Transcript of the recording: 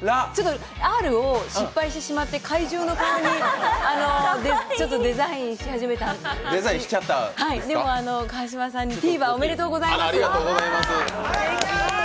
Ｒを失敗してしまって怪獣の顔に、デザインし始めたでも川島さんに、ＴＶｅｒおめでとうございます。